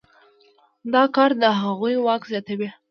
دا کار د هغوی واک زیاتوي.